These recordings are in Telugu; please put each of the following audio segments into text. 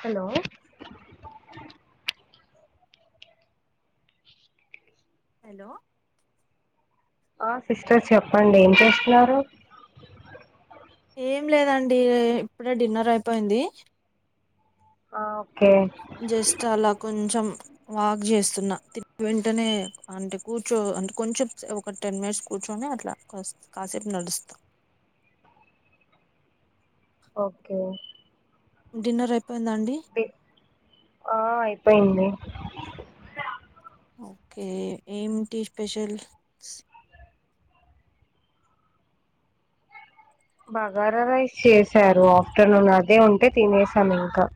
హలో హలో ఆ సిస్టర్ చెప్పండి, ఏం చేస్తున్నారు? ఏం లేదండి ఈ ఇప్పుడే డిన్నర్ అయిపోయింది. ఆ ఓకే జస్ట్ అలా కొంచెం వాక్ చేస్తున్నా తి వెంటనే అంటే కూర్చో అంటే కొంచెం సె ఒక టెన్ మినిట్స్ కూర్చొని అట్ల కాసే కాసేప్ నడుస్ ఓకే డిన్నర్ అయ్ పి ఆ అయిపయింది ఓకే ఏమిటి స్పెషల్ స్ బగార రైస్ చేసారు ఆఫ్టర్నూన్, అదే ఉంటే తినేసాం ఇంకా.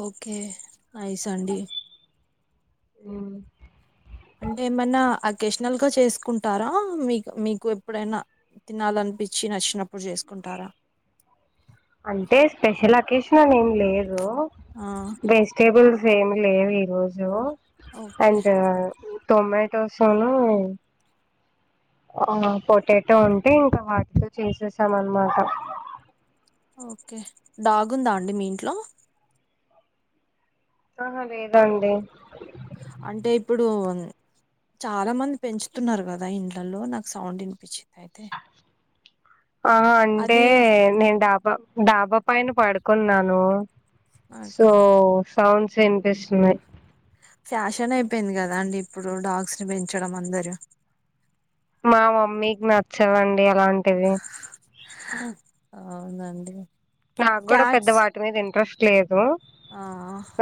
ఓకే నైస్ అండి ఉ అంటే ఏమన్న అకేషనల్గా చేసుకుంటారా మిక్ మీకు ఎప్పుడైనా తినాలనిపిచి నచ్చినప్పుడు చేసుకుంటార? అంటే స్పెషల్ అకేషన్ అని ఏం లేదు. ఆ వెజిటేబుల్స్ ఏమి లేవు ఈ రోజు. ఓకే అండ్ టొమాటోస్ ను అవున పొటాటో ఉంటే ఇంకా వాటితో చేసేసాం అన్మాట ఓకే డాగుందా అండి మీ ఇంట్లో? ఆహ లేదండి. అంటే ఇప్పుడు అన్ చాలా మంది పెంచుతున్నారు కదా ఇంట్లలో నాకు సౌండ్ ఇన్ ఆ హ అంటే అది నేను డాబా డాబ పైన పడుకున్నాను సో ఓకే సౌండ్స్ వినిపిస్తుంది ఫ్యాషన్ అయిపోయింది కదా అండి ఇప్పుడు డాగ్స్ ని పెంచడం అందరు మా మమ్మీకి నచ్చవండి అలాంటివి అవునా అండి నాకు కూడా పెద్ద వాటి మీద ఇంట్రెస్ట్ లేదు. ఆ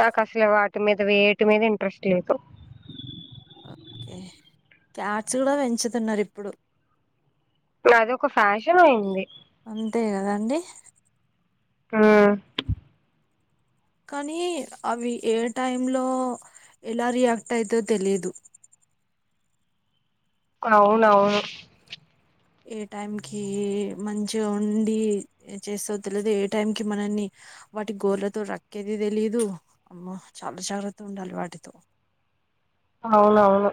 నాకు అసలు వా టి మీద వేటి మీద ఇంట్రెస్ట్ లేదు. కే క్యాట్స్ కూడా పెంచుతున్నరు ఇప్పుడు. అది ఒక ఫ్యాషన్ అయింది. అంతే కదండి. ఉ కానీ అవి ఏ టైమ్ లో ఎలా రియాక్ట్ అయితో తెలీదు. అహ అవునవును ఏ టైం కి మంచిగా ఉండి చేసతో తెలదు, ఏ టైం కి మనల్ని వాటి గోర్లతో రక్కేది తెలిదు. అమ్మో చాలా జాగ్రత్త ఉండాలి వాటితో. అవునవును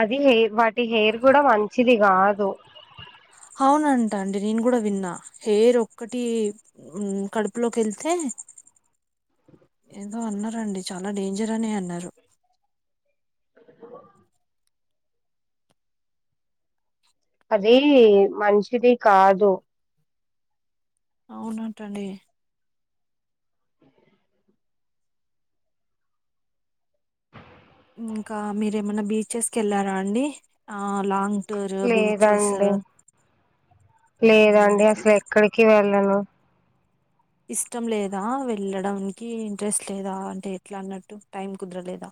అది హెయిర్ వాటి హెయిర్ కూడా మంచిది కాదు. అవునంట అండి నేను కూడా విన్నా, హెయిర్ ఒక్కటి ఉ కడుపులోకెళ్తే ఏదో అన్నారండీ, చాలా డేంజర్ అనే అన్నారు. అ అదీ మంచిది కాదు ఔనంటండి ఇంకా మీరేమన్నా బీచెస్ కెళ్లారా అండి ఆ లాంగ్ టూరు, బీచెస్ లేదండి లేదండి అస్లేక్కడికి వెళ్ళను ఇష్టం లేదా వెళ్ళడంకి ఇంట్రెస్ట్ లేదాంటే ఎట్ల అన్నట్టు టైం కుద్రలేదా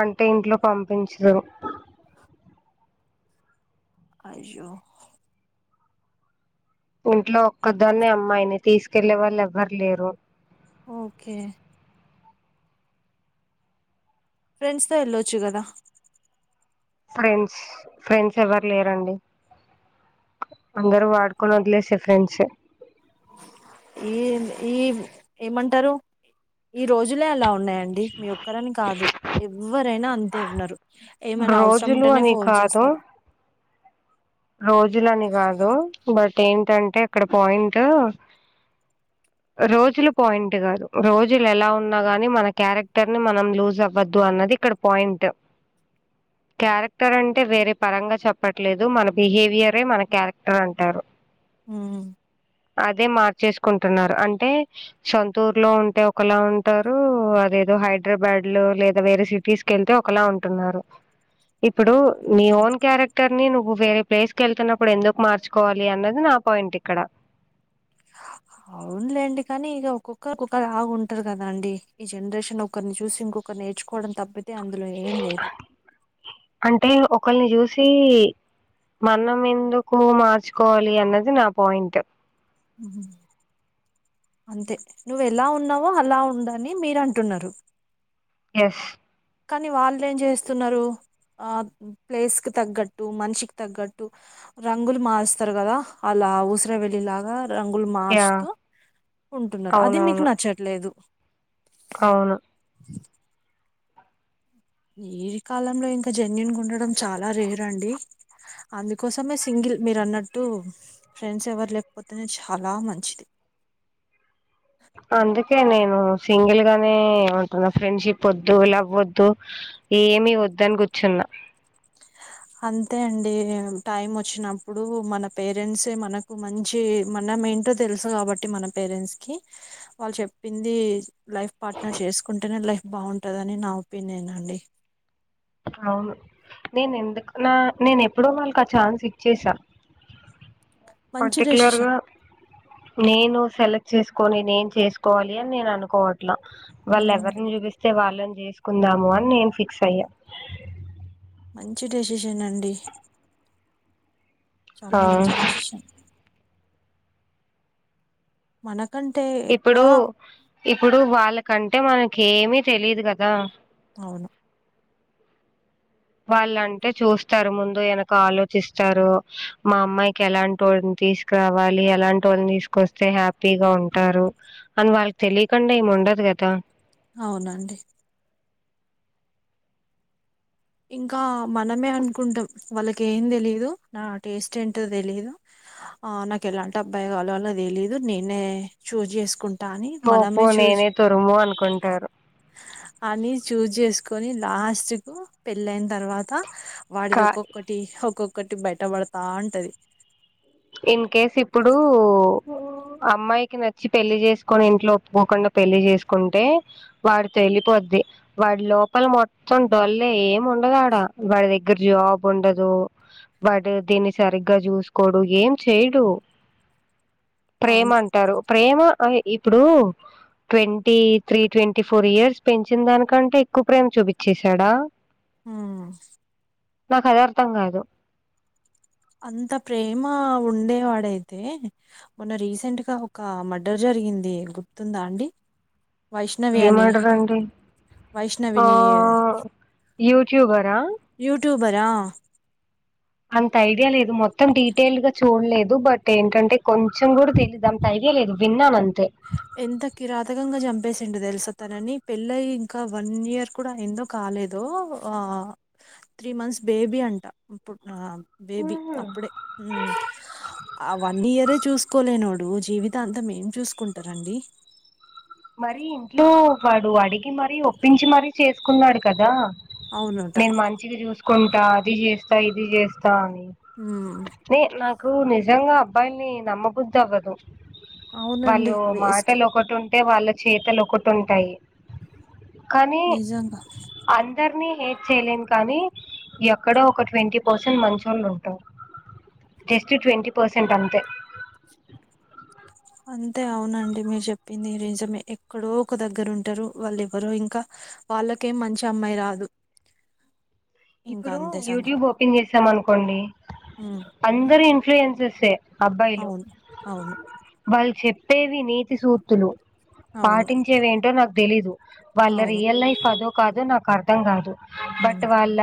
అంటె ఇంట్లో పంపించ్రు ఐష్య్ ఇంట్లో ఒక్కదాన్నే అమ్మాయిని తీసుకెళ్ళ వాళ్ళులెవ్వరు లేరు ఒకే ఫ్రెండ్స్ తో ఎళ్ళొచ్చు గదా ఫ్రెంస్ ఫ్రెండ్స్ ఎవర్ లేరండి అందరు వాడ్కొని ఒదిలేసె ఫ్రెండ్సే ఎ ఈమ్ ఏమంటరు ఈ రోజులే అలా ఉన్ న్నాయండి మీ ఒక్కరని కాదు ఎవ్వరైనా అంతే ఉన్నరు ఏమైన ఔస్రం రోజులు ఉంటెనే అని ఫోన్ కాదు చేస్తరు రోజులని గాదు బట్ ఏంటంటే అక్కడ పాయింట్ రోజులు పాయింట్ గాదు రోజులు ఎలా ఉన్నా గాని మన క్యారెక్టర్ని మనం లూజ్ అవ్వద్దు అన్న దిక్కడ పాయింట్ క్యారెక్టర్ అంటే వేరే పరంగా చెప్పట్లేదు మన బిహేవియరె మన క్యారెక్టర్ అంటారు ఉమ్ అదే మార్చేస్కుంటున్నారు అంటే సొంతూర్లో ఉంటే ఒకలా ఉంటారు అద్ లేదో హైడ్రబాడ్ లో లేద వేరే సిటీస్ కెల్తే ఒకలా ఉంటున్నారు ఇ ప్పుడు నీ ఓన్ క్యారెక్టర్ని నువ్ వే ప్లేస్ కెళ్తున్నప్పుడు ఎందుకు మార్చుకోవాలి అన్నది నా పాయింట్ ఇక్కడ ఔన్లేండి కానీ ఇగ ఒక్కొక్కరు ఒక్కొక్కలగుంటరు గదాండి ఈ జనరేషన్ ఒక్కర్ని చూసి ఇంకో కరు నేర్చుకోడం తప్పితే అందులో ఏం లేదు ఒక్కల్ని జూసీ మనమెందుకు మార్చుకోవాలి అన్నది నా పాయింట్ ఉ అంతే నువ్వెలా ఉన్నావో అలా ఉండని మీరంటున్నరు యస్ కని వాళ్లేం జేస్తున్నరు ఆ ప్లేస్ కి తగ్గట్టు మనిషికి తగ్గట్టు రంగులు మారుస్తర్ గదా అల ఆ ఊసర వెల్లిలాగా రంగులు యాహ్! మార్స్తు ఉంటున్నరు అది మీకు నచ్చట్లేదు ఔను అ ఈ కాలంలో ఇంత జన్యుూన్గా ఉండడం చాలా రేరండి అందుకోసమే సింగిల్ మీరన్నట్టు ఫ్రెండ్స్ ఎవర్ లేక్పోతేనే చాలా మంచిది అందుకే నేనూ సింగిల్గానే ఉంటున్న ఫ్రెండ్షిప్ ఒద్దు, లవ్ ఒద్దు ఏమి వద్దని కూర్చున్నా అంతే అండి టైం వచ్చినప్పుడు మన పేరెంట్సే మనకు మంచి మన మనం ఏంటో తెలుసు కాబట్టి మన పేరెంట్స్ కి వాళ్ళు చెప్పింది లైఫ్ పార్ట్నర్ చేసుకుంటేనే లైఫ్ బాగుంటదని నా ఒపీనియన్ అండి అవును నేను ఎందుకు నా నేను ఎప్పుడో వాళ్ళకి ఆ ఛాన్స్ ఇచ్చేసా మంచి డెసిషన్ పర్టికలర్గా నేను సెలక్ట్ చేస్కోని నేన్ చేస్కోవాలి అని నేన్ అనుకోవట్లా వాళ్ళ ఉమ్, ఎవరిని చూపిస్తే వాళ్ళని చేసుకుందాము అని నేను ఫిక్స్ అయ్యా మంచి డెసిషన్ అండి చాలా ఆ మంచి డెసిషన్ మనకంటే ఎక్కువ ఇప్పుడు ఇప్పుడు వాళ్ళకంటే మనక ఏమి తెలీదు కదా అవును వాళ్ళంటే చూస్తారు ముందు వెనక ఆలోచిస్తారు మా అమ్మాయికి ఎలాంటోనీ తీసుకురావాలి ఎలాంటోన్ని తీసుకొస్తే హ్యాపీగా ఉంటారు అని వాళ్ళకి తెలియకుండా ఏమ్ ఉండదు కదా అవునండి ఇంకా మనమే అనుకుంటాం వాళ్ళకి ఏం తెలీదు నా టేస్ట్ ఏంటో తెలిదు ఆ నాకు ఎలాంటి అబ్బాయి కాలో వాల తెలీదు నేనే చూజ్ చేసుకు టాని తోపో మనమే చూజ్ నేనే తురుము అనుకుంటారు అని చూజ్ చేసుకొని లాస్ట్ కు పెళ్ళైన తర్వాత వాడిది కా ఒక్కొక్కటి ఒకో ఒకటి బయట పడతా ఉంటది ఇన్ కేస్ ఇప్పుడు అమ్మాయికి నచ్చి పెళ్లి చేసుకొని ఇంట్లో ఒప్పుకోకుండా పెళ్లి చేసుకుంటే వాడు తెలిపోద్ది వాడి లోపల మొత్తం డొల్లే ఏం ఉండదు ఆడ వాడి దగ్గర జాబ్ ఉండదు బట్ దీన్ని సరిగ్గా చూసుకోడు ఏం చేయడు ప్రేమ అవును అంటారు ప్రేమ అది ఇప్పుడు twenty three twenty four years పెంచిన దానికంటే ఎక్కువ ప్రేమ చూపించేసాడ ఉ నాకు అదే అర్థం కాదు అంత ప్రేమ ఉండేవాడైతే మొన్న రీసెంట్ గా ఒక మర్డర్ జ గింది గుర్తుందా అండి వైష్ణవి ఏ అని మర్డర్ అండి ఆ వైష్ణవిని యూట్యూబర బరా అంత ఐడియా లేదు మొత్తం డీటెయిల్ గా చూడలేదు బట్ ఏంటంటే కొంచెం కూడా తెలీదు అంతై ఏ లే విన్నామంతే ఎంత కిరాతకంగా చం ప్పేసిండు తెలుసా తనని పెళ్ళయి ఇంకా వన్ ఇయర్ కూడా ఎందో కాలేదు ఆ త్రీ మంత్స్ బేబీ అంట ఇప్పు నా బేబీ అప్పుడే ఉ ఆ వన్ ఇయరే చూస్ కోలేనోడు జీవితాంతం ఏం చూసుకుంటారండి మరి ఇంట్లో వాడు అడిగి మరీ ఒప్పించి మరీ చేసుకున్నాడు కదా అవునట నేను మంచిగా చూసుకుంటా అది చేస్తా ఇది చేస్ తాని ఉమ్ నీ నాకు నిజంగా అబ్బాయిల్ని నమ్మబుద్ధి అవ్వదు అవునండి వాళ్ళు వేస్ట్ మాటలు ఒకటున్ అంటే వాళ్ళ చేతలు ఒకటి ఉంటాయి కానీ నిజంగా అందరినీ హట్ చేయలేన్ కానీ ఎక్కడో ఒక ట్వంటీ పర్సెంట్ మంచోళ్ళు ఉంటారు జస్ట్ ట్వంటీ పర్సెంట్ అంతే అంతే అవునండి మీరు చెప్పింది రిజమే ఎక్కడో ఒక దగ్గర ఉంటారు వాళ్ళు ఎవ్వరో ఇంకా వాళ్ళకేం మంచి అమ్మాయి రాదు ఇంకా ఇప్పుడు అంతే సంగతి యూట్యూబ్ ఓపెన్ చేశాంనుకోండి ఉమ్ అందరి ఇన్ఫ్లుయెన్సెసే అబ్బాయిలు అవును అవును వాళ్ళు చెప్పేవి నీతి సూక్తులు అవును పాటించేవేంటో నాకు తెలీదు వాళ్ళ అవును రియల్ లైఫ్ అదో కాదో నాక్ కర్థం గాదు బట్ ఉమ్ వాళ్ళ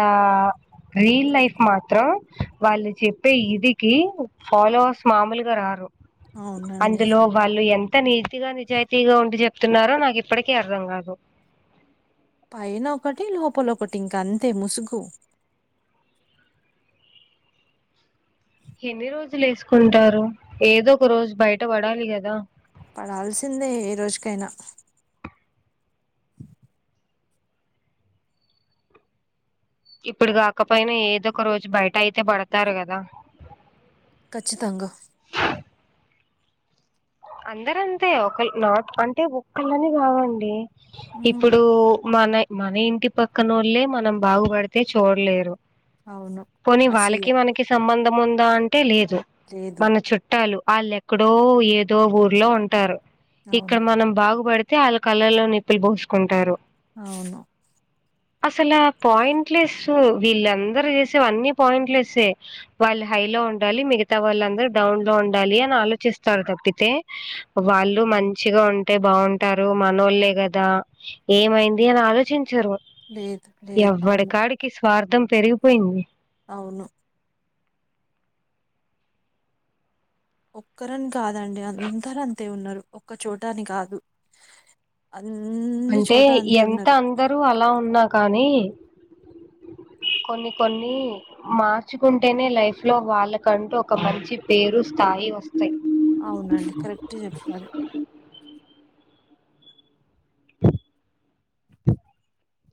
రీల్ లైఫ్ మాత్రం వాళ్ళు చెప్పే ఇదికి ఫాలోవర్స్ మామూలుగా రారు అవునండి అందులో వాళ్ళు ఎం త నీతిగా నిజాయితీగా ఉండి చెప్తున్నారో నాకు ఇప్పడికీ అర్థం కాదు పైనొకటి లోపలొకటి ఇంక అంతే ముసుగు ఎన్ని రోజులు ఎసుకుంటారు ఏదో ఒక రోజు బయట పడాలి గదా పడాల్సిందే ఏ రోజుకైనా ఇప్పుడు కాకపోయినా ఏదో ఒక రోజు బయట అయితే పడతారు కదా ఖచ్చితంగా అందరంతే ఒక నాట్ అంటే ఒక్కలని కాదండి ఉమ్ ఇప్పుడు మన మన ఇంటి పక్కనొళ్లే మనం బాగుపడితే చూడలేరు అవును పోని అసూయ వాళ్ళకి మనకి సంబంధం ఉందా అంటే లేద్ దు లేదు మన చుట్టాలు ఆళ్ళు ఎక్కడో ఏదో ఊర్లో ఉంటారు ఇక్కడ అవును మనం బాగుపడితే ఆళ్ళ కళ్లలో నిప్పులు పోసుకుంటారు అవును అ అసలాపాయింట్లేస్సు వీళ్ళందరుూ చేసేవన్ని పాయింట్లేస్సే వాళ్ళు హైలో ఉండాలి మిగతా వాళ్ళందరు డౌన్ లో ఉండాలి అని ఆలోచిస్తారు తప్పి అయితే వాళ్ళు మంచిగా ఉంటే బాగుంటారు మనోళ్లే గదా ఏమైం ది అని ఆలోచించరు లేద్ లేద్ అవును ఎవ్వడికాడికి స్వార్థం పెరిగిపోయింది అవును ఒక్కరని కాదండి అందరు అంతే ఉన్నారు ఒక్క చోటా అని కాదు అన్ని అంటే చోట అంతే ఎంత ఉన్నారు అందరూ అలా ఉన్నా కానీ కొన్ని కొన్ని మార్చుకుంటేనే లైఫ్ లో వాళ్ళకంటూ ఒక మంచి పేరు స్థాయి వస్త అవునండి కరెక్టే చెప్పారు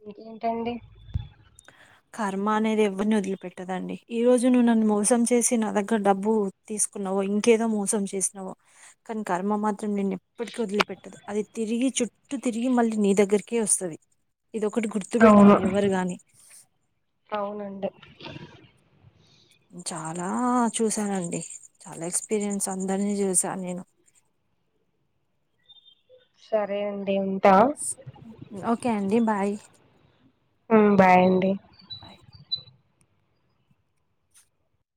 ఇంకేంటండి కర్మ అనేది ఎవరిని వదిలిపెట్టదండి ఈ రోజు నువ్వు నన్ను మోసం చేసి నా దగ్గర డబ్బు తిస్ స్కున్నావో ఇంకేదో మోసం చేసినవో కానీ కర్మ మాత్రం నిన్ను ఎప్పటిక వదిలిపెట్టదు అది తిరిగి ఈ చుట్టూ తిరిగి మళ్ళీ నీ దగ్గరకే వస్తది ఇది ఒకటి గుర్తుప అవును పెట్టుకోవాలి ఎవరు గాని అవునండి చాలా చూసానండి చాలా ఎక్స్పీరియన్స్ అందరినీ చూసా నేను సరే అండి ఓకే అండి బాయ్ హుమ్ బాయండి బాయ్.